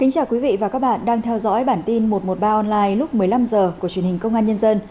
chào mừng quý vị đến với bản tin một trăm một mươi ba online lúc một mươi năm h của truyền hình công an nhân dân